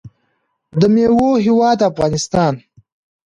د میوو هیواد افغانستان.